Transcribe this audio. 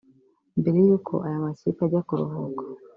Mbere y’uko aya makipe ajya kuruhuka